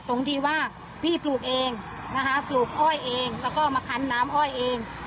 ตรงที่ว่าพี่ปลูกเองนะคะปลูกอ้อยเองแล้วก็มาคันน้ำอ้อยเอง